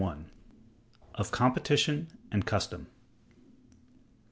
Of Competition and Custom.